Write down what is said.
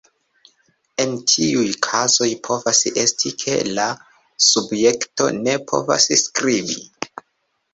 En tiuj kazoj povas esti, ke la subjekto ne povas skribi.